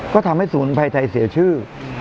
ก็ทำให้สมุนไพรไทยเสียชื่อ